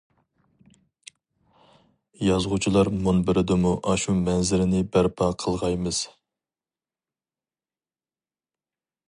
يازغۇچىلار مۇنبىرىدىمۇ ئاشۇ مەنزىرىنى بەرپا قىلغايمىز.